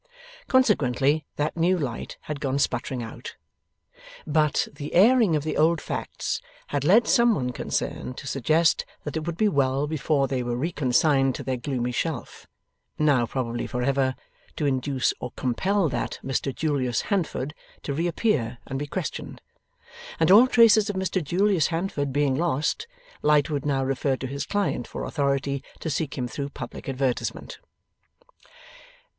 Consequently, that new light had gone sputtering out. But, the airing of the old facts had led some one concerned to suggest that it would be well before they were reconsigned to their gloomy shelf now probably for ever to induce or compel that Mr Julius Handford to reappear and be questioned. And all traces of Mr Julius Handford being lost, Lightwood now referred to his client for authority to seek him through public advertisement.